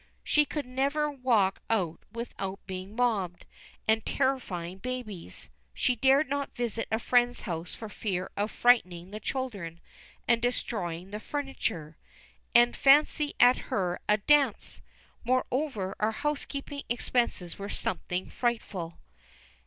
She could never walk out without being mobbed, and terrifying babies. She dared not visit a friend's house for fear of frightening the children and destroying the furniture. And fancy her at a dance! Moreover, our housekeeping expenses were something frightful.